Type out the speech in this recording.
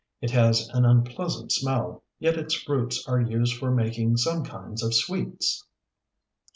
It has an unpleasant smell, yet its roots are used for making some kinds of sweets.